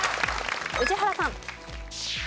宇治原さん。